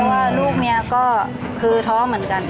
ว่าลูกเมียก็คือท้อเหมือนกัน